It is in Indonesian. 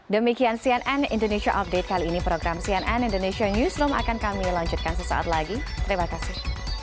demikian cnn indonesia update kali ini program cnn indonesia newsroom akan kami lanjutkan sesaat lagi terima kasih